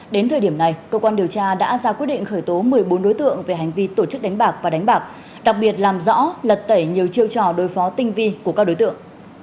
đến thời điểm này cơ quan điều tra đã ra quyết định khởi tố một mươi bốn đối tượng về hành vi tổ chức đánh bạc và đánh bạc đặc biệt làm rõ lật tẩy nhiều chiêu trò đối phó tinh vi của các đối tượng